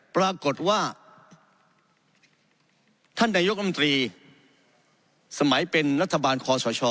ปรากฏว่าท่านนายกรรมตรีสมัยเป็นรัฐบาลคอสช